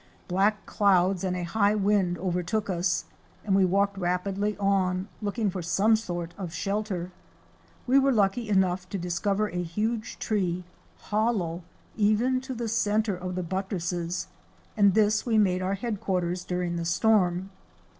Black clouds and a high wind overtook us and we walked rapidly on, looking for some sort of shelter. We were lucky enough to discover a huge tree, hollow, even to the centre of the buttresses and this we made our headquarters during the storm.